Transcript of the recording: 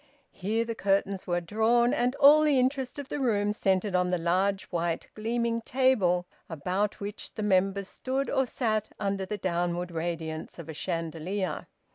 Here the curtains were drawn, and all the interest of the room centred on the large white gleaming table, about which the members stood or sat under the downward radiance of a chandelier.